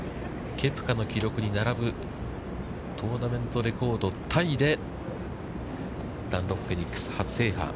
ケプカの記録に並ぶトーナメントレコードタイでダンロップフェニックス初制覇。